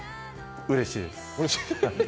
うれしいです。